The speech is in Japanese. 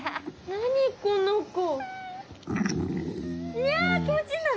何この子。